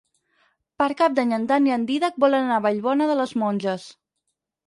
Per Cap d'Any en Dan i en Dídac volen anar a Vallbona de les Monges.